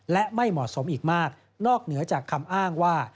และไม่เหมาะสมอีกมากนอกเหนือจากคำอ้างว่า